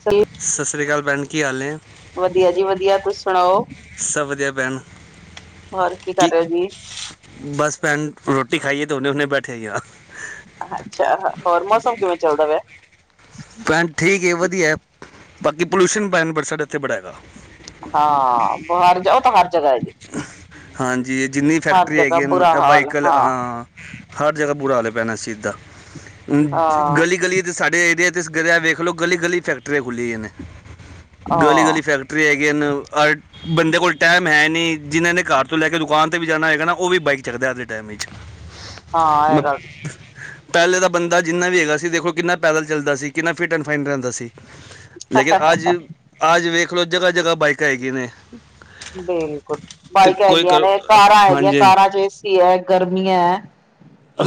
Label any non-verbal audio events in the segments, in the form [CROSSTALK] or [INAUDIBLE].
ਸਹੀ ਸਤਿ ਸ਼੍ਰੀ ਅਕਾਲ ਭੈਣ ਕੀ ਹਾਲ ਹੈ। ਵਧੀਆ ਜੀ ਵਧੀਆ ਤੁਸੀਂ ਸੁਣਾਓ। ਸਭ ਵਧੀਆ ਬੈਨ ਹੋਰ ਕੀ ਕਰ ਰਹੇ ਜੀ। ਬਸ ਭੈਣ ਰੋਟੀ ਖਾਈ ਹੈ ਤੇ ਹੁਨੇ-ਹੁਨੇ ਬੈਠੇ ਹਾਂ। ਅੱਛਾ ਹੋਰ ਮੌਸਮ ਕਿਵੇਂ ਚੱਲਦਾ ਪਿਆ। ਭੈਣ ਠੀਕ ਹੈ ਵਧੀਆ ਬਾਕੀ ਪੋਲਿਊਸ਼ਨ ਭੈਣ ਸਾਡੇ ਇੱਥੇ ਬੜਾ ਹੈਗਾ। ਹਾਂ ਬਾਹਰ ਜਾਓ ਤਾਂ ਹਰ ਜਗਾ ਹੈ। ਹਾਂਜੀ ਜਿੰਨੀ ਹਰ ਫੈਕਟਰੀ ਜਗ੍ਹਾ ਹੈਗੀ ਬੁਰਾ ਹਾਲ ਵਹੀਕਲ ਹਾਂ। ਹਰ ਜਗ੍ਹਾ ਬੁਰਾ ਹਾਲ ਐ ਭੈਣ ਇਸ ਚੀਜ਼ ਦਾ ਹ ਹਾਂ ਗਲੀ-ਗਲੀ ਤੇ ਸਾਡੇ ਏਰੀਏ ਇਸ ਗਿਰਿਆ ਵੇਖ ਲਓ ਗਲੀ-ਗਲੀ ਫੈਕਟਰੀ ਖੁੱਲੀ ਹੋਈਆ ਨੇ ਗਲੀ ਹਾਂ ਗਲੀ ਫੈਕਟਰੀ [UNINTELLIGIBLE] ਬੰਦੇ ਕੋਲ ਟਾਈਮ ਹੈ ਨਹੀਂ ਜਿਨ੍ਹਾਂ ਨੇ ਘਰ ਤੋਂ ਲੈ ਕੇ ਦੁਕਾਨ 'ਤੇ ਵੀ ਜਾਣਾ ਹੈਏਗਾ ਨਾ ਉਹ ਵੀ ਬਾਈਕ ਚੱਕਦਾ ਅੱਜ ਦੇ ਟਾਈਮ ਵਿੱਚ [INAUDIBLE] ਇਹ ਗੱਲ ਪਹਿਲੇ ਦਾ ਬੰਦਾ ਜਿੰਨਾ ਵੀ ਹੈਗਾ ਸੀ ਦੇਖੋ ਕਿੰਨਾ ਪੈਦਲ ਚੱਲਦਾ ਸੀ। ਕਿੰਨਾ ਫਿੱਟ ਐਂਡ ਫਾਈਨ ਰਹਿੰਦਾ ਸੀ। ਲੇਕਿਨ ਅੱਜ ਆਜ ਵੇਖ ਲੋ ਜਗ੍ਹਾ-ਜਗ੍ਹਾ ਬਾਈਕਾਂ ਹੈਗੀਆਂ ਨੇ ਬਿਲਕੁਲ ਤੇ ਬਾਈਕ ਕੋਈ ਹੈਗੀਆਂ ਕਰ ਨੇ ਕਾਰਾਂ ਹੈਗੀਆਂ ਹਾਂਜੀ ਹਾਂਜੀ। ਕਾਰਾਂ ਚ ਏਸੀ ਹੈ ਗਰਮੀਆਂ ਹੈ।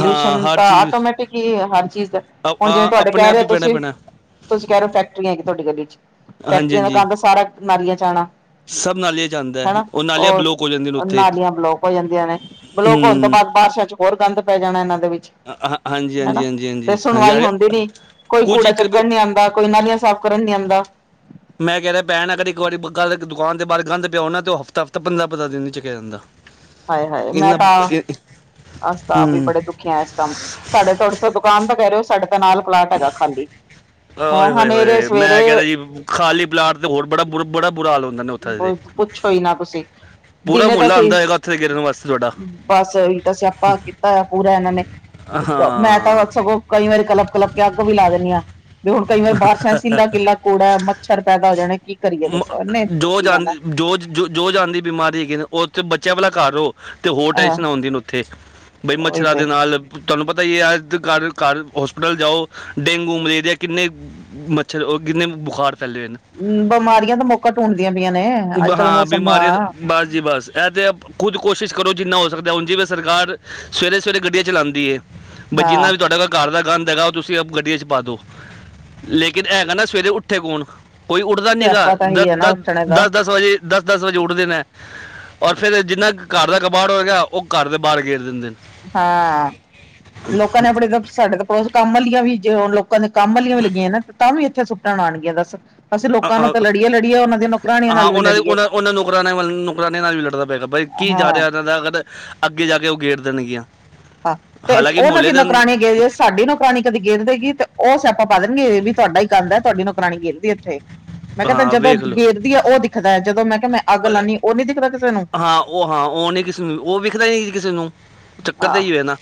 ਹਾਂ ਹਰ ਤਾਂ ਚੀਜ਼ ਆਟੋਮੈਟਿਕ ਹੀ ਹਰ ਚੀਜ਼ ਦਾ। ਅ- ਹੁਣ ਜਿਵੇਂ ਆ- ਤੁਹਾਡੇ ਆਪਣੇ ਕਹਿ ਆਪ ਰਹੇ ਹੀ ਹੋ। ਪੈਣਾ ਤੁਸੀਂ ਪੈਣਾ ਤੁਸੀਂ ਕਹਿ ਰਹੇ ਹੋ ਫੈਕਟਰੀਆਂ ਤੁਹਾਡੀ ਗਲੀ ਚ ਹਾਂਜੀ ਫੈਕਟਰੀਆਂ ਦਾ ਹਾਂਜੀ ਗੰਦ ਸਾਰਾ ਨਾਲੀਆਂ ਚ ਆਣਾ ਸਭ ਨਾਲੀਆਂ 'ਚ ਆਉਂਦਾ ਹੈ ਹੈਣਾ ਉਹ ਨਾਲੀਆਂ ਔਰ ਬਲੋਕ ਹੋ ਜਾਂਦੀਆਂ ਨੇ ਉੱਥੇ ਨਾਲੀਆਂ ਬਲੋਕ ਹੋ ਜਾਂਦੀਆਂ ਨੇ ਬਲੋਕ ਹੋਣ ਤੋਂ ਹੂੰ ਬਾਅਦ ਬਾਰਿਸ਼ਾਂ ਚ ਹੋਰ ਗੰਦ ਪੈ ਜਾਣਾ ਇਹਨਾਂ ਦੇ ਵਿੱਚ ਅ- ਹਾਂ- ਹਾਂਜੀ ਹਾਂਜੀ ਹਨਾ ਹਾਂਜੀ ਤੇ ਹਾਂਜੀ ਹਾਂਜੀ ਸੁਣਵਾਈ ਅਰੇ ਹੁੰਦੀ ਨੀ ਕੋਈ ਕੁਝ ਕੂੜਾ ਇੱਕ ਰੁਪਏ ਚੁੱਕਣ ਨੀ ਆਦਾ ਕੋਈ ਨਾਲੀਆ ਸਾਫ਼ ਕਰਨ ਨੀ ਆਦਾ। ਮੈਂ ਕਹਿ ਰਿਹਾ ਭੈਣ ਨਾ ਅਗਰ ਇੱਕ ਵਾਰੀ ਗੱਲ ਦੁਕਾਨ ਦੇ ਬਾਹਰ ਗੰਦ ਪਿਆ ਹੋ ਨਾ ਤੇ ਉਹ ਹਫ਼ਤਾ-ਹਫ਼ਤਾ ਪੰਦਰਾ-ਪੰਦਰਾਂ ਦਿਨ ਹੀ ਚੱਕਿਆ ਜਾਂਦਾ। ਹਾਏ-ਹਾਏ ਮੈਂ ਇੰਨਾ ਤਾਂ ਅਸੀ ਤਾਂ ਆਪ ਵੀ ਹੂੰ ਬੜੇ ਦੁਖੇ ਹਾ। ਇਸ ਟਾਇਮ ਸਾਡੇ ਡੇ ਚ ਦੁਕਾਨ ਦਾ ਕਹਿ ਰਹੇ ਹੋ। ਸਾਡੇ ਤਾਂ ਨਾਲ ਪਲਾਟ ਹੈਗਾ ਖਾਲੀ। ਆ ਹੈਂ ਹਨੇਰੇ ਹੋਏ-ਹੋਏ ਮੈਂ ਕਹਿ ਰਿਹਾ ਸਵੇਰੇ ਜੀ ਖਾਲੀ ਪਲਾਟ ਤੇ ਹੋਰ ਬੜਾ ਬੂਰਾ ਬੜਾ ਬੁਰਾ ਹਾਲ ਹੁੰਦਾ ਨੇ ਉੱਥੇ ਪੁੱਛੋ ਹੀ ਨਾ ਤੁਸੀਂ ਪੂਰਾ ਦਿਨੇ ਦਾ ਮੁੱਲ ਆਂਦਾ ਸੀ ਹੋਏਗਾ ਉੱਥੇ ਦੇ ਗਿਰਨ ਵਾਸਤੇ ਤੁਹਾਡਾ ਬਸ ਇਹੀ ਤਾਂ ਸਿਆਪਾ ਕੀਤਾ ਆ ਪੂਰਾ ਇਹਨਾਂ ਨੇ ਮੈਂ ਹਾਂ ਤਾਂ ਸਗੋਂ ਕਈ ਵਾਰੀ ਕਲੱਪ-ਕਲੱਪ ਕੇ ਅੱਗ ਵੀ ਲਾ ਦਿੰਦੀ ਹਾਂ। ਤੇ ਹੁਣ ਕਈ ਵਾਰ ਬਾਰਿਸ਼ਾਂ ਸੀਲਾ-ਗਿਲਾ ਕੂੜਾ ਮੱਛਰ ਪੈਦਾ ਹੋ ਜਾਣਾ ਕੀ ਕਰੀਏ ਦੱਸੋ। ਇਹਨੇ ਉਹ ਜਾਂ ਜੋ ਜੋ ਜੋ ਜਾਂਦੀ ਬਿਮਾਰੀ ਹੈ ਕਿ ਉਥੇ ਬੱਚਿਆਂ ਵਾਲਾ ਘਰ ਹੋ ਤੇ ਹੋਰ ਹਾਂ ਟੈਂਸ਼ਨ ਹੁੰਦੀ ਨ ਉੱਥੇ, ਬਈ ਉਹੀ ਮੱਛਰਾਂ ਤੇ ਦੇ ਨਾਲ ਤੁਹਾਨੂੰ ਪਤਾ ਹੀ ਹੈ ਅੱਜ ਘਰ-ਘਰ, ਹੋਸਪੀਟਲ ਜਾਓ ਡੇਂਗੂ, ਮਲੇਰੀਆ ਕਿੰਨੇ ਮੱਛਰ, ਉਹ ਕਿੰਨੇ ਬੁਖਾਰ ਫੈਲੇ ਹੋਏ ਨ। ਹੰ, ਬਿਮਾਰੀਆਂ ਤਾਂ ਮੌਕਾ ਢੂੰਡਦੀਆਂ ਪਈਆਂ ਨੇ। ਅੱਜ-ਕੱਲ ਹਾਂ ਮੌਸਮ ਬਿਮਾਰੀਆਂ ਤੇ, ਹਾਂ, ਬਸ ਜੀ ਬਸ, ਇਹ ਤੇ ਖੁਦ ਕੋਸ਼ਿਸ਼ ਕਰੋ ਜਿੰਨਾ ਹੋ ਸਕਦਾ ਹੁਣ ਜਿਵੇਂ ਸਰਕਾਰ ਸਵੇਰੇ-ਸਵੇਰੇ ਗੱਡੀਆਂ ਚਲਾਦੀ ਏ। ਬਸ ਜਿੰਨਾ ਹਾਂ। ਕੀ ਤੁਹਾਡਾ [UNINTELLIGIBLE] ਘਰ ਦਾ ਗੰਦ ਹੈਗਾ ਉਹ ਤੁਸੀਂ ਗੱਡੀ ਚ ਪਾਦੋ ਲੇਕਿਨ ਇਹ ਹੈਗਾ ਨਾ ਸਵੇਰੇ ਉੱਠ ਉੱਠੇ ਕੌਣ ਕੋਈ ਉੱਠਦਾ ਸਿਆਪਾ ਨੀਗਾ, ਤਾਂ ਦ ਇਹੀ ਹੈ ਨਾ ਉੱਠਣੇ ਦਾ ਦਸ-ਦਸ ਵਜੇ ਦਸ-ਦਸ ਵਜੇ ਉੱਠਦੇ ਨੇ। ਔਰ ਫੇਰ ਜਿਨਾ ਘਰ ਦਾ ਕਬਾੜ ਹੋਏਗਾ, ਉਹ ਘਰ ਦੇ ਬਾਹਰ ਗੇਰ ਦਿੰਦੇ ਨੇ। ਹਾਂ, ਲੋਕਾਂ ਨੇ ਆਪਣੇ ਤਾਂ, ਸਾਡੇ ਤਾਂ [UNINTELLIGIBLE] ਕੰਮ ਵਾਲੀਆਂ ਵੀ ਜੇ ਹੋਣ ਲੋਕਾਂ ਦੇ ਕੰਮ ਵਾਲੀਆਂ ਵੀ ਲੱਗੀਆਂ ਨੇ ਤਾਂ ਵੀ ਇੱਥੇ ਸੁੱਟਣ ਆਣਗੀਆਂ ਦੱਸੋ। ਹਾਂ ਨਾਲ ਵੀ ਉਹਨਾਂ ਦੇ ਲੜੀਏ ਉਹਨਾਂ-ਉਹਨਾਂ ਨੌਕਰਾਨੇ ਵ ਨੌਕਰਾਨਣੇ ਨਾਲ ਵੀ ਲੜਣਾ ਪਏਗਾ ਬਾਈ ਕੀ ਜਾ ਹਾਂ। ਰਿਹਾ ਇਹਨਾਂ ਦਾ ਅਗਰ ਅੱਗੇ ਜਾ ਕੇ ਉਹ ਗੇਰ ਦੇਣਗੀਆਂ। ਹਾਂ ਤੇ ਹਾਲਾਂਕਿ ਮੁਹੱਲੇ ਉਹਦੀ ਦੇ ਨੌਕਰਾਣੀ ਅੰਦਰ ਗਏ ਸਾਡੀ ਨੌਕਰਾਨਣੀ ਕਦੀ ਗੇਰ ਦੇਗੀ ਤੇ ਉਹ ਸਿਆਪਾ ਪਾ ਦੇਣਗੇ ਵੀ ਤੁਹਾਡਾ ਹੀ ਗੰਦ ਐ, ਤੁਹਾਡੀ ਨੌਕਰਾਣੀ ਗੇਰਦੀ ਇੱਥੇ। ਮੈਂ ਕਹਿੰਦਾ ਹਾਂ ਜਦੋਂ ਵੇਖ ਲਓ ਗੇਰਦੀ ਹੈ ਉਹ ਦਿਖਦਾ, ਜਦੋਂ ਮੈਂ ਕਿਹਾ ਮੈਂ ਅੱਗ ਅ- ਲਾਣੀ ਆਂ, ਉਹ ਨੀ ਦਿਖਦਾ ਕਿਸੇ ਨੂੰ। ਹਾਂ ਉਹ ਹਾਂ, ਉਹ ਨੀ ਕਿਸੇ ਨੂੰ, ਉਹ ਵੇਖਦਾ ਹੀ ਨੀ ਕਿਸੇ ਨੂੰ। ਚੱਕਰ ਤੇ ਹਾਂ ਏਹੀ ਏ ਨਾ।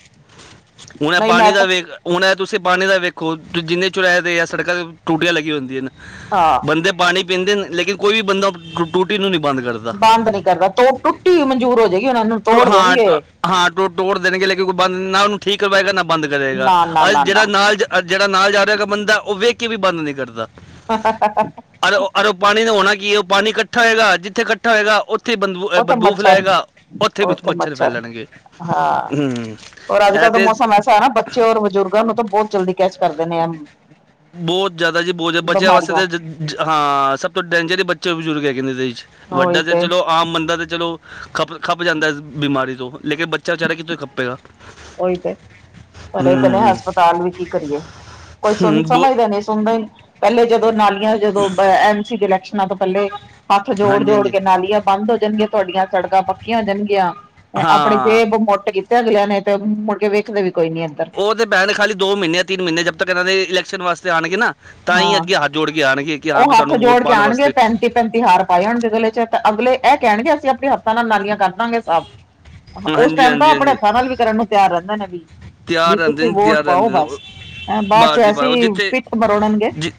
ਹੁਣ ਇਹ ਨਹੀਂ ਮੈਂ ਪਾਣੀ ਦਾ ਤਾਂ ਵੇਖ ਹੁਣ ਏ ਤੁਸੀਂ ਪਾਣੀ ਦਾ ਵੇਖੋ ਜਿੰਨੇ ਚੁਰਾਏ ਵੇ ਯਾ ਸੜਕਾਂ ਤੇ ਟੂਟੀਆਂ ਲੱਗੀ ਹੁੰਦੀਆਂ ਨ। ਹਾਂ। ਬੰਦੇ ਪਾਣੀ ਪੀਂਦੇ ਨੇ ਲੇਕਿਨ ਕੋ ਵੀ ਬੰਦਾ ਟੂਟੀ ਨੂੰ ਨਹੀਂ ਬੰਦ ਕਰਦਾ। ਬੰਦ ਨੀ ਕਰਦਾ ਤੋ ਟੁੱਟੀ ਮਨਜੂਰ ਹੋ ਜਾਏਗੀ ਇੰਨ੍ਹਾਂ ਨੂੰ ਟੂ- ਤੋੜ ਹਾਂ ਦੇਣਗੇ। ਟ- ਹਾਂ ਟੋ ਤੋੜ ਦੇਣਗੇ ਲੇਕਿਨ ਬੰਦ ਨਾ ਕੋਈ ਠੀਕ ਕਰਵਾਏਗਾ ਨਾ ਬੰਦ ਕਰੇਗਾ ਨਾ ਨਾ ਅੱਜ ਨਾ ਜਿਹੜਾ ਨਾ ਨਾਲ ਜਾ ਜਿਹੜਾ ਨਾਲ ਜਾ ਰਿਹਾ ਹੋਇਗਾ ਬੰਦਾ ਉਹ ਵੇਖ ਕੇ ਵੀ ਬੰਦ ਨਹੀਂ ਕਰਦਾ। ਹਾ-ਹਾ-ਹਾ-ਹਾ-ਹਾ ਅ ਅਰ ਉਹ ਅਰ ਓ ਪਾਣੀ ਨੇ ਹੋਣਾ ਕੀ ਏ ਉਹ ਪਾਣੀ ਕੱਠਾ ਹੋਏਗਾ ਜਿੱਥੇ ਕੱਠਾ ਹੋਏਗਾ ਉੱ ਉੱਥੇ ਬੰਦੂ ਅ ਉੱਥੇ ਬਦਬੂ ਮੱਛਰ ਫੇਲਾਏਗਾ, ਉੱਥੇ ਵੀ ਵਿੱਚ ਮੱਛਰ ਫੈਲਣਗੇ ਹਾਂ ਹੰ। ਔਰ ਅੱਜ ਕੱਲ ਦਾ ਮੌਸਮ ਐਸ ਹੈ ਨਾ ਬੱਚੇ ਔਰ ਬਜ਼ੁਰਗਾਂ ਨੂੰ ਤਾਂ ਬਹੁਤ ਜਲਦੀ ਕੈਚ ਕਰਦੇ ਨੇ ਇਹ। ਬਹੁਤ ਜ਼ਿਆਦਾ ਜੀ, ਬਹੁਤ ਜਾ ਬੱਚਿਆਂ ਵਾਸਤੇ ਬਿਮਾਰੀਆਂ ਤੇ ਜਿ ਹਾਂ, ਸਭ ਤੋਂ ਡੇਂਜਰ ਈ ਬੱਚੇ ਔਰ ਬਜ਼ੁਰਗ ਹੈਗੇ ਨੇ ਇਦੇ ਵਿੱਚ ਵੱਡਾ ਤੇ ਚਲੋ ਆਮ ਬੰਦਾ ਤੇ ਚਲੋ ਖਪ-ਖੱਪ ਜਾਂਦਾ ਇਸ ਬਿਮਾਰੀ ਤੋਂ, ਲੇਕਿਨ ਬੱਚ ਚਾ ਬਚਾਰਾ ਕਿੱਥੇ ਖੱਪੇਗਾ। ਉਹੀ ਤੇ ਭਰੇ ਪਏ ਨੇ ਹੂੰ ਹਸਪਤਾਲ ਵੀ ਕੀ ਕਰੀਏ, ਕੋਈ ਸੁਣ ਹੂੰ, ਬੋ ਸਮਝਦਾ ਨੀ ਸੁਣਦਾ ਈ ਪਹਿਲੇ ਜਦੋਂ ਨਾਲੀਆਂ ਜਦੋਂ ਐਮ ਸੀ ਦੇ ਇਲੈਕਸ਼ਨਾਂ ਤੋਂ ਪਹਿਲੇ ਹੱਥ ਹਾਂਜੀ ਜੋੜ-ਜੋੜ ਹਾਂਜੀ ਕੇ ਨਾਲੀਆਂ ਬੰਦ ਹੋ ਜਾਣ ਗੀਆਂ ਤੁਹਾਡੀਆਂ ਸੜਕਾਂ ਪੱਕੀਆਂ ਹੋ ਜਾਣਗੀਆਂ ਏ ਆਪਣੇ ਹਾਂ ਮੁਟ ਕੀਤਾਅਗਲਿਆਂ ਨੇ ਤੇ ਮੁੜ ਕੇ ਵੇਖਦੇ ਵੀ ਕੋਈ ਨੀ ਇੱਧਰ। ਉਹ ਤੇ ਭੈਣ ਖਾਲੀ ਦੋ ਮਹੀਨੇ, ਤਿੰਨ ਮਹੀਨੇ, ਜਦ ਤੱਕ ਇਹਨਾਂ ਦੇ ਇਲਕਸ਼ਨ ਵਾਸਤੇ ਆਣਗੇ ਨਾ ਤਾਂ ਹੀ ਹਾਂ ਅੱਗੇ ਹੱਥ ਜੋੜ ਕੇ ਆਣਗੇ ਕਿ ਹਾਂ ਵੀ ਸਾਨੂੰ ਵੋਟ ਪਾਉਣ ਵਾਸਤੇ ਤੇ ਹਾਰ ਪਾਏ ਹੋਣਗੇ ਗਲੇ ਚ ਤਾਂ ਅਗਲੇ ਇਹ ਕਹਿਣਗੇ ਅਸੀਂ ਆਪਣੇ ਹੱਥਾਂ ਨਾਲ ਨਾਲੀਆਂ ਕਰ ਦਾਂਗੇ ਸਾਫ। ਉਸ ਹਾਂਜੀ ਟਾਈਮ ਤਾਂ ਹਾਂਜੀ ਆਪਣੇ ਹਾਂਜੀ ਹੱਥਾਂ ਨਾਲ ਵੀ ਕਰਨ ਨੂੰ ਤਿਆਰ ਰਹਿੰਦੇ ਨੇ ਬਈ। ਵੀ ਤਿਆਰ ਰਹਿੰਦੇ ਤੁਸੀਂ ਨੇ ਵੋਟ ਤਿਆਰ ਪਾਓ ਰਹਿੰਦੇ ਨੇ ਉਹ- ਬਸ, ਹੈਂ ਬਾਅਦ ਬਸ ਚ ਜੀ ਬਸ ਉਹ ਅਸੀ ਜਿੱਥੇ ਪਿੱਠ ਬ ਜਿ-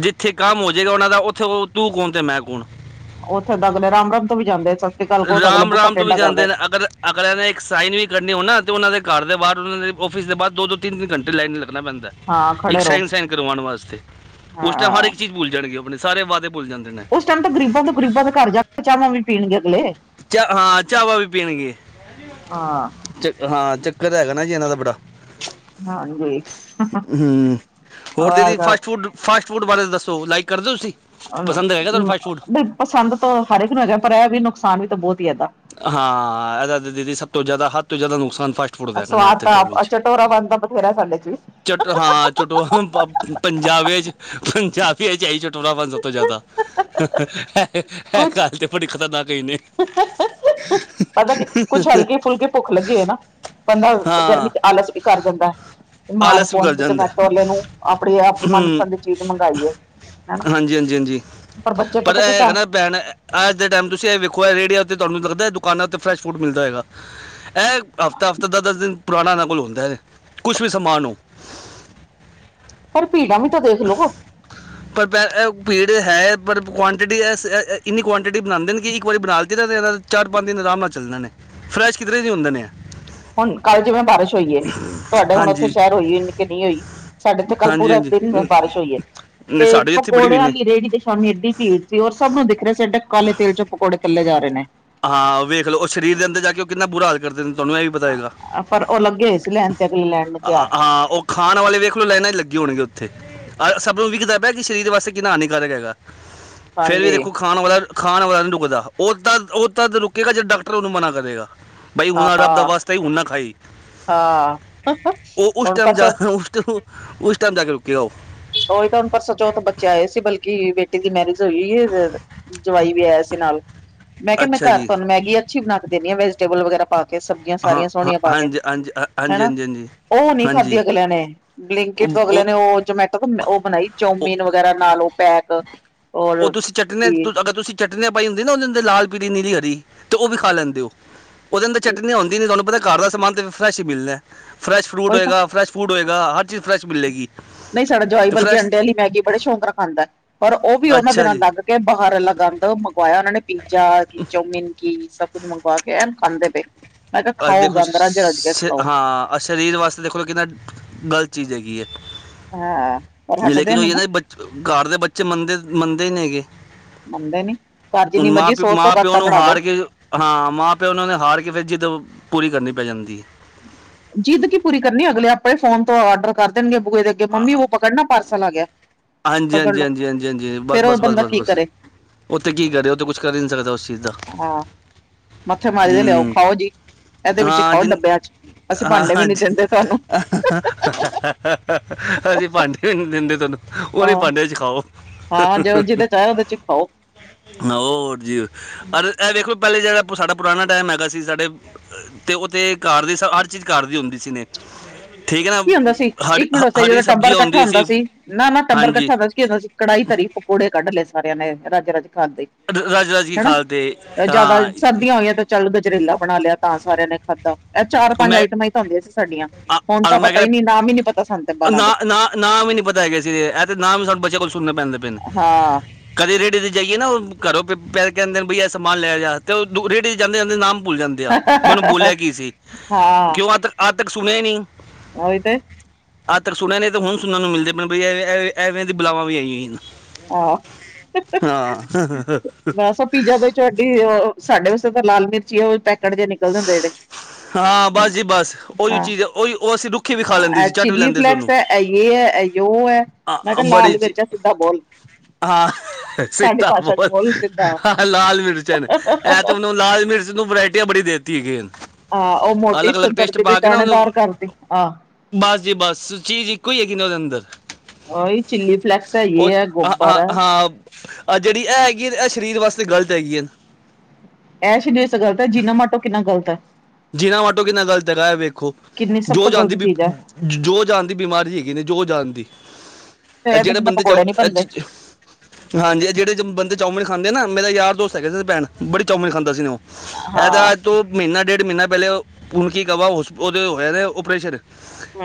ਜਿੱਥੇ ਕੰਮ ਹੋ ਜਾਏਗਾ ਉਹਨਾਂ ਦਾ ਉੱਥੇ ਓਹ ਤੂੰ ਕੌਣ ਤੇ ਮੈਂ ਕੌਣ। ਉੱਥੇ ਤੱਕ ਮੇਰਾ [UNINTELLIGIBLE] ਤੋਂ ਵੀ ਜਾਂਦੇ। ਸਤਿ ਸ੍ਰੀ ਅਕਾਲ ਕਹੋ ਤਾਂ ਅਗਲੇ ਬੂਥਾ ਰਾਮ-ਰਾਮ ਤੋਂ ਵੀ ਟੇਢਾ ਜਾਂਦੇ ਕਰਦੇ ਨੇ, ਅਗਰ ਅਗਲਿਆਂ ਨੇ ਇੱਕ ਸਾਈਨ ਵੀ ਕਰਨੇ ਹੋਣ ਨਾ ਤੇ ਉਹਨਾਂ ਦੇ ਘਰ ਦੇ ਬਾਰ ਉਹਨਾਂ ਦੇ ਆਫਿਸ ਦੇ ਬਾਹਰ ਦੋ-ਦੋ, ਤਿੰਨ-ਤਿੰਨ ਘੰਟੇ ਲਾਈਨ ਚ ਲੱਗਣਾ ਪੈਂਦਾ। ਹਾਂ ਇੱਕ ਖੜੇ ਰਹੋ ਸਾਈਨ-ਸਾਈਨ ਕਰਵਾਉਣ ਵਾਸਤੇ ਉਸ ਟਾਈਮ ਹਰ ਹਾਂ ਇੱਕ ਚੀਜ਼ ਭੁੱਲ ਜਾਣਗੇ ਉਹ ਆਪਣੇ ਸਾਰੇ ਵਾਅਦੇ ਭੁੱਲ ਜਾਂਦੇ ਨੇ। ਉਸ ਟਾਈਮ ਤਾਂ ਗਰੀਬਾਂ ਤੋਂ ਗਰੀਬਾਂ ਦੇ ਘਰ ਜਾ ਕੇ ਚਾਵਾਂ ਵੀ ਪੀਣਗੇ ਅਗਲੇ। ਚ ਹਾਂ ਚਾਵਾਂ ਵੀ ਪੀਣਗੇ। ਹਾਂ ਹਾ ਚੱਕਰ ਹੈਗਾ ਨਾ ਜੀ ਇਹਨਾਂ ਦਾ ਬੜਾ। ਹਾਂਜੀ ਹੰ, ਹੋਰ ਦੀਦੀ ਫਾਸਟ ਫੂਡ ਫਾਸਟ ਫੂਡ ਬਾਰੇ ਦੱਸੋ ਲਾਈਕ ਕਰਦੇ ਹੋ ਤੁਸੀਂ? ਪਸੰਦ ਹੈਗਾ ਤੁਹਾਨੂੰ ਫਾਸਟ ਫੂਡ ਪਸੰਦ ਤਾਂ ਹਰ ਇੱਕ ਨੂੰ ਹੈਗਾ ਪਰ ਇਹ ਵੀ ਨੁਕਸਾਨ ਵੀ ਤਾਂ ਬਹੁਤ ਹੀ ਏਦਾਂ। ਹਾਂ ਇਹਦਾ ਦੀਦੀ ਸਭ ਤੋਂ ਜ਼ਿਆਦਾ ਹੱਦ ਤੋਂ ਜ਼ਿਆਦਾ ਨੁਕਸਾਨ ਫਸਟ ਸਵਾਦ ਤਾਂ ਆਪ, ਚਟੋਰਾ ਪਨ ਬਥੇਰਾ ਸਾਡੇ ਚ ਚੱਟ ਹਾਂ ਚਟੋ ਪੰਜਾਬੀ ਚ ਪੰਜਾਬੀਏ ਚ ਏ ਆਈ ਚਟੋਰਾ ਪਨ ਸਭ ਤੋਂ ਜ਼ਿਆਦਾ। ਇਹ ਕੁਛ ਗੱਲ ਤੇ ਬੜੀ ਖ਼ਤਰਨਾਕ ਕਈ ਨੇ [UNINTELLIGIBLE] ਪਤਾ ਕੀ ਕੁੱਛ ਹਲਕੀ ਫੁਲਕੀ ਭੁੱਖ ਲੱਗੇ ਹੋਏ ਨਾ, ਬੰਦਾ ਗਰਮੀ ਹਾਂ ਚ ਆਲਸ ਕਰ ਦਿੰਦਾ। ਸਮਾਰਟ ਆਲਸ ਵੀ ਫੋਨ ਕਰ ਵਿੱਚ ਜਾਂਦਾ ਜਮਾਇਟੋ ਆਲੇ ਨੂੰ ਆਪਣੀ ਮਨਪਸੰਦ ਚੀਜ਼ ਮੰਗਾਈਏ। ਹਨਾ ਹਾਂਜੀ-ਹਾਂਜੀ, ਹਾਂਜੀ, ਬੱਚੇ ਪਰ ਪਤਾ ਇਹ ਕੀ ਹੈਗਾ ਕਰ ਨਾ ਭੈਣ ਅੱਜ ਦੇ ਟੈਮ ਤੁਸੀਂ ਇਹ ਵੇਖੋ ਇਹ ਰੇੜੀਆਂ ਉੱਤੇ ਤੁਹਾਨੂੰ ਲੱਗਦਾ ਦੁਕਾਨਾਂ ਉੱਤੇ ਫਰੈਸ਼ ਫੂਡ ਮਿਲਦਾ ਹੈਏਗਾ? ਇਹ ਹਫ਼ਤਾ-ਹਫ਼ਤਾ ਦਸ-ਦਸ ਦਿਨ ਪੁਰਾਣਾ ਇਹਨਾਂ ਕੋਲ ਹੁੰਦਾ ਕੁੱਛ ਵੀ ਸਮਾਨੋ। ਪਰ ਭੀੜਾਂ ਵੀ ਤੇ ਦੇਖਲੋ। ਪਰ ਪੈ ਭੀੜ ਹੈ ਪਰ ਕੁਆਂਟਿਟੀ ਇਸ ਇੰਨੀ ਕੁਆਂਟਿਟੀ ਬਣਾਉਂਦੇ ਕਿ ਇੱਕ ਵਾਰੀ ਬਨਾ ਕੇ [UNINTELLIGIBLE] ਚਾਰ, ਪੰਜ ਦਿਨ ਆਰਾਮ ਨਾਲ ਚੱਲਦੇ ਨੇ ਫਰੈਸ਼ ਕਿਧਰੇ ਨਹੀਂ ਹੁੰਦੇ ਨੇ। ਹੁਣ ਕੱਲ ਜਿਵੇਂ ਬਾਰਿਸ਼ ਹੋਈਏ ਤੁਹਾ ਹੁਣ ਉੱਥੇ ਹਾਂਜੀ ਸ਼ਹਿਰ ਹੋਈ ਕਿ ਨੀ ਹੋਈ ਸਾਡੇ ਇੱਥੇ ਕੱਲ ਹਾਂਜੀ ਪੂਰਾ ਹਾਂਜੀ ਦਿਨ ਨ- ਬਾਰਿਸ਼ ਹੋਈ ਹੈ। ਨਹੀਂ ਤੇ ਸਾਡੇ ਇੱਥੇ ਬੜੀ ਪਕੌੜੇ ਹੋਈ ਨੇ ਆਲੀ ਰੇਹੜੀ ਤੇ ਸ਼ਾਮੀ ਏਡੀ ਭੀੜ ਹੋਰ ਸਭ ਨੂੰ ਦਿਖ ਰਹੇ ਸੀ ਐਡੇ ਕਾਲੇ ਤੇਲ ਚੋਂ ਪਕੌੜੇ ਤੱਲੇ ਜਾ ਰਹੇ ਨੇ ਹਾਂ, ਉਹ ਵੇਖ ਲਓ ਉਹ ਸਰੀਰ ਦੇ ਅੰਦਰ ਜਾ ਕੇ ਕਿੰਨਾ ਬੁਰਾ ਹਾਲ ਕਰਦੇ ਨੇ ਤੁਹਾਨੂੰ ਇਹ ਵੀ ਪਤਾ ਹੋਏਗਾ, ਪਰ ਉਹ ਲੱਗੇ ਹੋਏ ਸੀ ਲੈਣ ਤੇ ਅਗਲੇ ਲੈਣ ਨੂੰ ਤਿਆਰ ਹਾਂ ਉਹ ਖਾਣ ਵਾਲੇ ਵੇਖ ਲਓ ਲਾਈਨਾਂ ਲੱਗੇਂ ਹੋਣਗੇ ਉੱਥੇ, ਆ ਸਭ ਨੂੰ ਵਿਖਦਾ ਪੇਆ ਕਿ ਸਰੀਰ ਵਾਸਤੇ ਕਿੰਨਾ ਹਾਨੀਕਾਰਕ ਹੈਗਾ। ਫੇਰ ਵੀ ਹਾਂਜੀ ਦੇਖੋ ਖਾਣ ਵਾਲਾ, ਖਾਣ ਵਾਲਾ ਨਹੀਂ ਰੁਕਦਾ ਉਹ ਤਾਂ ਉਹ ਤੱਦ ਰੁਕੇਗਾ, ਜੇ ਡਾਕਟਰ ਉਹਨੂੰ ਮਨਾ ਕਰੇਗਾ। ਬਈ ਹੁਣ ਹਾਂ ਆ ਰੱਬ ਦਾ ਵਾਸਤੇ ਹੀ ਨਾਂ ਖਾਈ, ਹਾਂ ਉਹ ਉਸ ਹੁਣ ਟਾਈਮ ਜਾ ਪਰਸੋਂ ਉਸ ਟਮ ਉਸ ਟਾਈਮ ਜਾ ਕੇ ਰੁਕੇ ਉਹ ਉਹੀ ਤਾਂ ਹੁਣ ਪਰਸੋਂ ਚੌਥ ਬੱਚੇ ਆਏ ਸੀ ਬਲਕਿ ਬੇਟੀੇ ਦੀ ਮੈਰਿਜ ਹੋਈ ਏ। ਜਵਾਈ ਵੀ ਆਇਆ ਸੀ ਨਾਲ। ਮੈਂ ਕਿਹਾ ਮੈਂ ਅੱਛਾ ਘਰ ਜੀ ਤੁਹਾਨੂੰ ਮੈਗੀ ਅੱਛੀ ਬਣਾ ਕੇ ਦੇਣੀ ਆ ਵੇਜੀਟੇਬਲ ਵਗੈਰਾ ਪਾ ਕੇ ਸਬੀ ਹਾਂ-ਹਾਂ, ਹਾਂਜੀ-ਹਾਂਜੀ-ਹਾਂਜੀ-ਹਾਂਜੀ-ਹਾਂਜੀ। ਉਹ ਨਹੀਂ ਖਾਧੀ ਅਗਲਿਆਂ ਨੇ ਬਲਿੰਕਿਟ ਤੋਂ ਅਗਲਿਆਂ ਨੇ ਉਹ ਜਮੈਟੋ ਤੋ ਉਹ ਬਣਾਈ ਉਹ- ਚੋਮੀਨ ਵਗੈਰਾ ਨਾਲ ਉਹ ਪੈਕ ਔਰ ਉਹ ਤੁਸੀਂ ਚਟਨੀ ਕੀ ਅਗਰ ਤੁਸੀਂ ਚਟਨੀਆਂ ਪਾਈ ਹੁੰਦੀ ਨਾ ਉਹ ਦੇ ਅੰਦਰ ਲਾਲ, ਪੀੜ, ਨੀਰੀ, ਹਰੀ ਤੇ ਉਹ ਵੀ ਖਾ ਲੈਂਦੇ ਹੋ। ਉਹਦੇ ਅੰਦਰ ਚਟਨੀ ਆਂਦੀ ਨੀ, ਤੁਹਾਨੂੰ ਪਤਾ ਘਰ ਦਾ ਸਮਾਨ ਤਾਂ ਫੈਸ਼ ਹੀ ਮਿਲਣਾ, ਫਰੈਸ਼ ਫਰੂਟ ਉਹੀ ਤਾਂ ਹੋਏਗਾ ਫਰੈਸ਼ ਫੂਡ ਹੋਏਗਾ, ਹਰ ਚੀਜ਼ ਫਰੈਸ਼ ਮਿਲੇੇਗੀ। ਨਹੀਂ ਸਾਡਾ ਜਵਾਈ ਬਲਕਿ ਅੰਡੇ ਵਾਲੀ ਮੈਗੀ ਬੜੇ ਸ਼ੌਂਕ ਨਾਲ ਖਾਂਦਾ ਐ ਪਰ ਉਹ ਵੀ ਉਹਨਾਂ ਅੱਛਾ ਦਿਨਾ ਜੀ ਤੱਕ ਕੇ ਬਾਹਰ ਆਲਾ ਗੰਦ ਮੰਗਵਾਇਆ ਉਹਨਾਂ ਨੇ ਪੀਜ਼ਾ ਚੌਮਿਨ ਕੀ ਸਭ ਕੁੱਝ ਮੰਗਵਾ ਕੇ ਐਨ ਖਾਂਦੇ ਪਏ, ਮੈਂ ਕਿਹਾ ਆ ਖਾਓ ਦੇਖੋ ਸ਼- ਗੰਦ ਰੱਜ-ਰੱਜ ਕੇ ਸ਼- ਖਾਓ। ਹਾਂ ਸਰੀਰ ਵਾਸਤੇ ਦੇਖ ਲਓ ਕਿੰਨਾ ਗਲਤ ਚੀਜ਼ ਹੈਗੀ ਐਂ ਹਾਂ ਪਰ ਹਟਦੇ ਲੇਕਿਨ ਨੀ ਉਹ ਨਾ ਬ ਘਰ ਦੇ ਬੱਚੇ ਮੰਨਦੇ ਮੰਨਦੇ ਹੀ ਨੀ ਹੈਗੇ ਮੰਨਦੇ ਨੀ, ਘਰ ਜਿੰਨੀ ਹੁਣ ਮਾਂ ਮਰਜੀ ਪਿਓ ਸੌ-ਸੌ ਮਾਂ ਪਿਓ ਬਾਤਾਂ ਨੂੰ ਪੜਾ ਲਓ। ਹਾਰ ਕੇ ਹਾਂ ਮਾਂ ਪਿਓ ਉਹਨਾਂ ਨੇ ਹਾਰ ਕੇ ਫਿਰ ਜਿੱਦੋਂ ਪੂਰੀ ਕਰਨੀ ਪੈ ਜਾਂਦੀ ਏ। ਜਿੱਦ ਕੀ ਪੂਰੀ ਕਰਨੀ ਅਗਲੇ ਆਪਣੇ ਫੋਨ ਤੋਂ ਆਡਰ ਕਰ ਦੇਣਗੇ ਬੂੇ ਦੇ ਅੱਗੇ ਮੰਮੀ ਉਹ ਪਕੜਨਾ ਪਾਰਸਲ ਆ ਗਿਆ। ਪਕੜ ਲੋ ਹਾਂਜੀ-ਹਾਂਜੀ-ਹਾਂਜੀ -ਹਾਂਜੀ -ਹਾਂਜੀ, ਬਸ ਫੇਰ ਉਹ -ਬਸ -ਬਸ ਬੰਦਾ ਬ ਕੀ ਬਸ। ਕਰੇ ਉੱਥੇ ਕੀ ਕਰੇ ਉਹ ਤਾਂ ਕੁਛ ਕਰ ਹੀ ਨਹੀਂ ਸਕਦਾ ਉਸ ਚੀਜ਼ ਦਾ। ਹਾਂ ਮੱਥੇ ਮਾਰੀ ਦੇ ਲਿਆਓ ਹੂੰ ਖਾਓ ਜੀ, ਇਹਦੇ ਵਿੱਚ ਹਾਂ ਖਾਓ ਜਿਨ ਡੱਬਿਆਂ ਚ ਅਸੀਂ ਹਾਂ ਭਾਂਡੇ ਵੀ ਨੀ ਹਾਂਜੀ, ਦਿੰਦੇ ਤੁਹਾਨੂੰ ਅਸੀਂ ਭਾਂਡੇ ਵੀ ਨਹੀਂ ਦਿੰਦੇ ਤੁਹਾਨੂੰ ਉਹਦੇ ਹਾਂ ਭਾਂਡੇ ਚ ਖਾਓ। ਹਾਂ, ਜਿਹਦੇ ਚ ਆਇਆ ਉਹਦੇ ਚ ਹੀ ਖਾਓ। ਹੋਰ ਜੀ ਅ ਇਹ ਵਖੋ ਪਹਿਲੇ ਜਿਹੜਾ ਸਾਡਾ ਪੁਰਾਣਾ ਟਾਈਮ ਹੈਗਾ ਸੀ ਸਾਡੇ, ਤੇ ਉਤੇ ਘਰ ਦੀ ਹਰ ਚੀਜ਼ ਕਾਰ ਦੀ ਹੁੰਦੀ ਸੀ ਨੇ। ਠੀਕ ਹੈ ਨਾ ਕੀ ਹੁੰਦਾ ਸੀ ਹਰ ਇੱਕ ਮਿੰਟ ਉਸੇ ਹ- ਹਰੀ ਜਦੋਂ ਟੱਬਰ ਸਬਜ਼ੀ ਇਕੱਠਾ ਹੁੰਦੀ ਹੁੰਦਾ ਸੀ ਨਾ ਨਾ ਟੱਬਰ ਹਾਂਜੀ ਇਕੱਠਾ ਹੁੰਦਾ ਸੀ। ਕੀ ਹੁੰਦਾ ਸੀ ਕੜਾਹੀ ਧਰੀ ਪਕੌੜੇ ਕੱਢ ਲਏ ਸਾਰਿਆਂ ਨੇ ਰਜ ਰਜ ਖਾਂਦੇ। ਰ- ਰਜ ਰਜ ਕੀ ਖਾਲ ਤੇ ਹੈਨਾ ਜਿਆਦਾ ਹਾਂ ਸਰਦੀਆਂ ਹੋਈਆਂ ਤੇ। ਚੱਲ ਗਜਰੇਲਾ ਬਣਾ ਲਿਆ ਤਾਂ ਸਾਰਿਆਂ ਨੇ ਖਾਧਾ ਇਹ ਚਾਰ ਉਹ ਪੰਜ ਮੈਂ ਆਈਟਮਾਂ ਹੀ ਤਾਂ ਆਉਂਦੀਆਂ ਸੀ ਸਾਡੀਆਂ ਆ- ਹੁਣ ਆ ਤਾਂ ਮੈਂ ਪਤਾ ਹੀ ਕਹਿੰਦਾ ਨੀ ਨਾਮ ਹੀ ਨੀ ਪਤਾ ਸਾਨੂੰ ਬਾਲਾਂ ਦੇ। ਨਾ ਨਾਮ ਹੀ ਨੀ ਪਤਾ ਹੈਗੇ ਸੀ, ਇਹ ਤੇ ਨਾਮ ਵੀ ਸਾਨੂੰ ਬੱਚੇ ਕੋਲ ਸੁਣਨੇ ਪੈਣਦੇ ਪੈ ਨੇ ਹਾਂ ਕਦੇ ਰੇੜੇ ਤੇ ਜਾਈਏ ਨਾ ਉਹ ਘਰੋਂ ਪੈ ਕਹਿੰਦੇ ਬਈ ਯੇ ਸਮਾਨ ਲੈ ਆ, ਰੇੜੇ ਤੇ ਜਾਂਦੇ-ਜਾਂਦੇ ਨਾਮ ਭੁੱਲ ਜਾਂਦੇ। ਮੈਨੂੰ ਬੋਲਿਆ ਕੀ ਸੀ, ਹਾਂ ਕਿਉਂ ਆ ਤ ਅੱਜ ਤੱਕ ਸੁਣਿਆ ਹੀ ਨਹੀਂ। ਉਹੀ ਤੇ ਅੱਜ ਤੱਕ ਸੁਣਿਆ ਨੇ ਤੇ ਹੁਣ ਸੁਣ ਨੂੰ ਮਿਲਦੇ ਪਿਆ, ਐਵੇਂ ਦੀ ਬੁਲਾਵਾਂ ਵੀ ਹੇਗੀਆ ਆਹ ਬਸ ਹਾਂ। ਉਹ ਪੀਜ਼ਾ ਦੇਡੀ ਸਾਡੇ ਵਾਸਤੇ ਤਾਂ ਲਾਲ ਮਿਰਚ ਆ ਪੈਕਟ ਜਹੇ ਨਿਕਲਦੇ ਹੁੰਦੇ ਜਿਹੜੇ ਹਾਂ ਬਸ ਜੀ ਬਸ, ਉਹੀ ਹਾਂ ਚੀਜ਼ ਐ, ਓਹੀ ਉਹ ਅਸੀਂ ਰੁੱਖੀ ਵੀ ਖਾ ਲੈਂਦੇ ਇਹ ਸੀ ਝੱਟ ਵੀ ਚਿੱਲੀ ਲੈਂਦੇ ਸੀ ਫਲੈਕਸ ਉਹਨੂੰ। ਹੈ ਇਹ ਹੈ ਇਹ ਉਹ ਹੈ, ਆ, ਮੈਂ ਆ, ਕਿਹਾ ਬੜੀ ਲਾਲ ਚ- ਮਰਚਾ ਸਿੱਧਾ ਬੋਲ। ਹਾਂ ਸਾਡੀ ਸਿੱਧਾ ਭਾਸ਼ਾ ਚ ਬੋਲ, ਸਿੱਧਾ ਲਾਲ ਮਿਰਚਾਂ ਨੇ ਐ ਤਾਂ ਲਾਲ ਮਿਰਚ ਨੂੰ ਵਰਾਇਟੀਆਂ ਬੜੀ ਦੇ ਦਿੱਤੀ ਹੈਗੀਨੇ। ਆਹ ਉਹ ਮੋਟੀ ਥੁੰਦਰਦੀ ਵੀ ਦਾਣੇਦਾਰ ਕਰਦੀ ਆ। ਬਸ ਜੀ ਬਸ, ਚੀਜ਼ ਇੱਕੋ ਹੀ ਹੈਗੀ ਉਨ੍ਹਾਂ ਦੇ ਅੰਦਰ। ਉਹ ਇਹ ਚਿੱਲੀ ਫਲੈਕਸ ਹੈ ਇਹ ਹੈ ਗੋਪਰ ਹੈ। ਆਹੋ ਜਿਹੜੀ ਇਹ ਹੈਗੀ ਹੈ ਇਹ ਸਰੀਰ ਵਾਸਤੇ ਗਲਤ ਹੈਗੀ ਹੈ। ਇਹ ਸ਼ਨੀ [INAUDIBLE] ਗਲਤ ਹੈ ਜੀਨਾ ਮਾਟੋ ਕਿੰਨਾ ਗਲਤ ਹੈ। ਜੀਨਾਮਾਟੋ ਕਿੰਨਾ ਗਲਤ ਹੈਗਾ ਹੈ ਵੇਖੋ। ਕਿੰਨੀ ਸਭ ਜੋ ਤੋਂ ਜਹਾਨ ਦੀ, ਗ਼ਲਤ ਚੀਜ਼ ਹੈ ਜੋ ਜਹਾਨ ਦੀ ਬਿਮਾਰੀ ਹੈਗੀ ਜੋ ਜਾਂਦੀ। ਤੇ ਤੇ ਜਿਹੜੇ ਬਿਨਾਂ ਬੰਦੇ ਜਾਓ। ਪਕੌੜੇ ਨੀ ਬਣਦੇ ਹਾਂਜੀ ਇਹ ਜਿਹੜੇ ਬੰਦੇ ਚੌਮਨ ਖਦੇ ਨਾ ਮੇਰਾ ਯਾਰ ਦੋਸਤ ਹੈਗੇ ਸੀ ਭੈਣ ਬੜੀ ਚਾਮਨ ਖਾਂਦਾ ਸੀ ਉਹ। ਹਾਂ ਇਹਦਾ ਤੋਂ ਮਹੀਨਾ ਡੇਢ ਮਹੀਨਾ ਪਹਿਲੇ ਹੁਣ ਕੀ ਕਵਾ ਹੋ ਸੀ ਉਹਦੇ ਹੋਇਆ ਨੇ ਓਪਰੇਸ਼ਨ।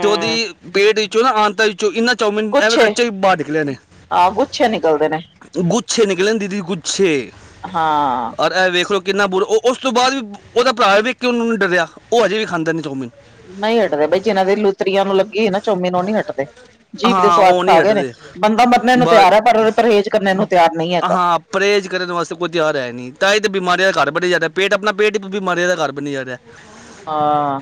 ਤੇ ਉਹਦੀ ਪੇਟ ਵਿੱਚੋਂ ਨਾ ਆਂਤਾਂ ਵਿੱਚੋਂ ਇੰਨਾ। ਚੋਮਿਨ ਐਵੇਂ ਗੁੱਛੇ ਕੱਚੇ ਬਾਹਰ ਨਿਕਲੇ ਨੇ ਹਾਂ ਗੁੱਛੇ ਨਿਕਲਦੇ ਨੇ ਗੁੱਛੇ ਨਿਕਲੇ ਨੇ ਦੀਦੀ ਗੁੱਛੇ। ਛੇ ਹਾਂ ਔਰ, ਇਹ ਵੇਖ ਲਓ, ਕਿੰਨਾ ਬੁਰ ਉਹ। ਉਸ ਤੋਂ ਬਾਅਦ ਵੀ ਉਹਦਾ ਭਰਾ ਵੇਖ ਕੇ ਉਹਨੂੰ ਨੂੰ ਡਰਿਆ। ਉਹ ਅਜੇ ਵੀ ਖਾਂਦਾ ਵਾ ਚੌਮੀਨ। ਨਹੀਂ ਹਟਦੇ ਬਈ ਜਿਹਨਾਂ ਦੇ ਲੁਤਰੀਆਂ ਨੂੰ ਲੱਗੀ ਨਾ ਚੋਮੀਨ ਨੂੰ ਉਹ ਨਹੀ ਹਟਦੇ। ਜੀਭ ਦੇ ਹਾਂ ਸੁਆਦ ਉਹ ਨਹੀਂ ਖਾ ਗਏ ਨੇ ਹਟਦੇ ਬੰਦਾ ਮਰਨੇ ਨੂੰ ਬਸ ਤਿਆਰ ਹੈ ਪਰ ਪਰਹੇਜ਼ ਕਰਨ ਨੂੰ ਤਿਆਰ ਨਹੀਂ ਹੈਗਾ। ਹਾਂ ਪਰਹੇਜ਼ ਕਰਨ ਵਾਸਤੇ ਕੋਈ ਤਿਆਰ ਹੈ ਨਹੀਂ ਤਾਂ ਇਹ ਤਾਂ ਬਿਮਾਰੀਆਂ ਦਾ ਘਰ ਬਣਿਆ ਜਾ ਰਿਹਾ ਪੇਟ ਆਪਣਾ ਪੇਟ ਹੀ ਬਿਮਾਰੀਆਂ ਦਾ ਘਰ ਬਣ ਜਾ ਰਿਹਾ। ਹਾਂ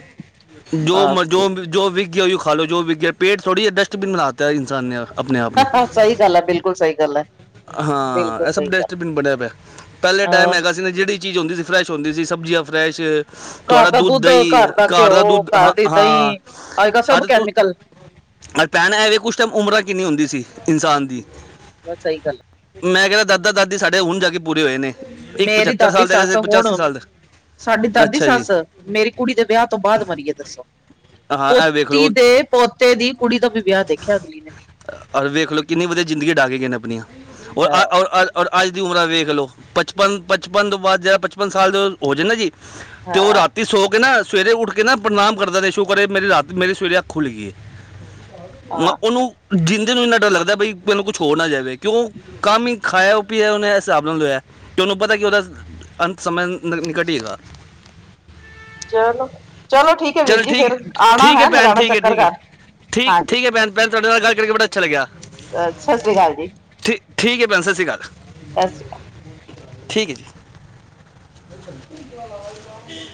ਜੋ ਬਸ ਜੋ ਜੋ ਵਿੱਕ। ਖਾ ਲੋ ਜੋ ਵੀ ਵਿੱਕ ਗਿਆ ਪੇਟਥੋ੍ਡੀ ਡਸਟਬਿਨ ਬਣਾ ਲਿਆ ਹੈ ਇਨਸਾਨ ਨੇ ਆਪਣੇ ਆਪ ਨੂੰ ਸਹੀ ਗੱਲ ਹੈ, ਬਿਲਕੁਲ ਸਹੀ ਗੱਲ ਹੈ। ਬਿਲਕੁਲ ਹਾਂ ਇਹ ਸਭ ਸਹੀ ਗੱਲ ਡਸਟਬਿਨ ਬਣਿਆ ਪਿਆ ਪਹਿਲੇ ਟਾਈਮ ਅਹ ਹੈਗਾ ਸੀ। ਜਿਹੜੀ ਚੀਜ਼ ਹੁੰਦੀ ਸੀ ਫਰੈਸ਼ ਹੁੰਦੀ ਸੀ। ਸਬਜ਼ੀਆਂ ਫਰੈਸ਼ ਘਰ ਤੁਹਾਡਾ ਦਾ ਦੁੱਧ ਦਹੀ ਘਰ ਦਾ ਘਿਓ ਦੁੱਧ ਘਰ ਹਾਂ ਦੀ ਹਾਂ ਦਹੀਂ ਅੱਜ ਕੱਲ ਸਭ ਅਜ। ਕੈਮੀਕਲ ਭੈਣ ਮੈ ਪੁੱਛ ਰਿਹਾ ਉਸ ਟਾਈਮ ਉਮਰਾਂ ਕਿੰਨੀ ਹੁੰਦੀ ਸੀ ਇਨਸਾਨ ਦੀ? ਬਸ ਚਾਹੀਦਾ। ਮੈਂ ਕਹਿੰਦਾ ਦਾਦਾ ਦਾਦੀ ਸਾਡੇ ਹੁਣ ਜਾ ਕੇ ਪੂਰੇ ਹੋਏ ਨੇ। ਇੱਕ ਮੇਰੀ ਦਾਦੀ ਸਾਲ ਦਾ ਹੈਗਾ ਸੀ ਸੱਸ ਇੱਕ ਹੁਣ ਸਾਲ ਦਾ ਸਾਡੀ। ਦਾਦੀ ਅੱਛਾ ਜੀ ਸੱਸ ਮੇਰੀ ਕੁੜੀ ਦੇ ਵਿਆਹ ਤੋਂ ਬਾਅਦ ਮਰੀਏ ਦੱਸੋ। ਹਾਂ ਇਹ ਵੇਖ ਪੋਤੀ ਲਓ ਦੇ ਪੋਤੇ ਦੀ ਕੁੜੀ ਦਾ ਵੀ ਵਿਆਹ ਦੇਖਿਆ ਅਗਲੀ ਨੇ। ਵੇਖ ਲਓ ਕਿੰਨੀ ਵਧੀਆ ਜ਼ਿੰਦਗੀ ਹੰਡਾ ਗਏਆਂ ਨੇ ਆਪਣੀਆਂ ਔਰ ਹਾਂ ਅਹ। ਔਰ ਅੱਜ ਦੀ ਉਮਰ ਵੇਖ ਲੋ ਪਚਪਨ ਪਚਪਨ ਤੋਂ ਬਾਅਦ ਜ ਪਚਪਨ ਸਾਲ ਦੇ ਹੋ ਜੇ ਨਾ ਜੀ। ਅਤੇ ਉਹ ਹਾਂ ਰਾਤੀ ਸੌ ਕੇ ਨਾ ਸਵੇਰੇ ਉੱਠ ਕੇ ਨਾ ਪ੍ਰਨਾਮ ਕਰਦਾ ਸ਼ੁਕਰ ਏ ਮੇਰੀ ਸਵੇਰੇ ਅੱਖ ਖੁੱਲ ਗਈ ਏ। ਮ ਹਾਂ ਉਹਨੂੰ ਜਿੰਦੇ ਨੂੰ ਇੰਨਾ ਡਰ ਲੱਗਦਾ ਬਈ ਮੈਨੂੰ ਕੁਛ ਹੋਰ ਨਾ ਜਾਵੇ ਕਿਉਂ? ਕੰਮ ਹੀ ਖਾਇਆ ਉਹ ਪੀ ਉਹਨੇ ਹਿਸਾਬ ਨਾਲ ਹੋਇਆ ਤੇ ਉਹਨੂੰ ਪਤਾ ਕਿ ਉਹਦਾ। ਅੰਤ ਸਮਾਂ ਨਿਕਟ ਹੀ ਹੈਗਾ। ਚਲੋ ਚਲੋ ਠੀਕ ਹੈ ਵੀਰ ਚਲ ਜੀ ਠੀਕ ਫੇਿਰ ਆਉਣਾ ਠੀਕ ਹੈ ਭੈਣ ਲਗਾਉਣਾ ਠੀਕ ਹੈ ਚੱਕਰ ਠੀਕ ਹੈ ਕਰ ਠੀਕ ਹਾਂਜੀ ਠੀਕ ਹੈ ਭੈਣ ਤੁਹਾਡੇ ਨਾਲ ਗੱਲ ਕਰਕੇ ਬੜਾ ਅੱਛਾ ਲਗਿਆ ਅ ਸਤਿ ਸ੍ਰੀ ਅਕਾਲ ਜੀ ਠੀਕ ਠੀਕ ਹੈ ਭੈਣ ਸਤ ਸ਼੍ਰੀ ਅਕਾਲ ਸਤਿ ਸ੍ਰੀ ਅਕਾਲ। ਠੀਕ ਹੈ। ਲ ਹਮ